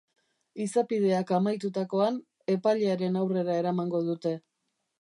Izapideak amaitutakoan, epailearen aurrera eramango dute.